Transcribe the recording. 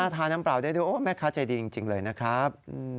ทาน้ำเปล่าได้ด้วยโอ้แม่ค้าใจดีจริงเลยนะครับ